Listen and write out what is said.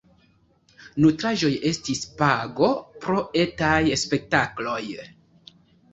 Nutraĵoj estis pago pro etaj spektakloj.